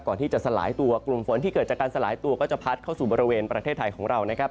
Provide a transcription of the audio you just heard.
ที่จะสลายตัวกลุ่มฝนที่เกิดจากการสลายตัวก็จะพัดเข้าสู่บริเวณประเทศไทยของเรานะครับ